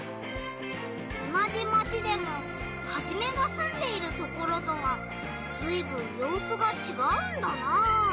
おなじマチでもハジメがすんでいるところとはずいぶんようすがちがうんだな。